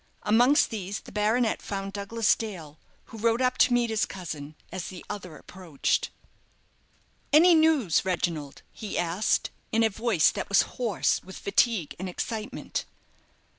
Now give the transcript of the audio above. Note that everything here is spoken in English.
Amongst these the baronet found Douglas Dale, who rode up to meet his cousin, as the other approached. "Any news, Reginald?" he asked, in a voice that was hoarse with fatigue and excitement.